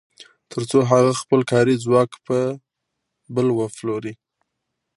تر څو هغه خپل کاري ځواک په بل وپلوري